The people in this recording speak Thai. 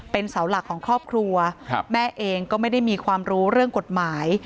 เป็นเสาหลักของครอบครัวแม่เองก็ไม่ได้มีความรู้เรื่องกฎหมาย